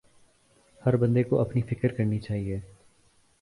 ہر بندے کو اپنی فکر کرنی چاہئے